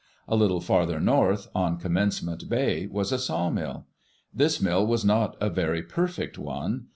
A little farther north, on Commencement Bay, was a sawmill. This mill was not a very perfect one.